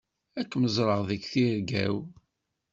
Ad kem-ẓreɣ deg tirga-w.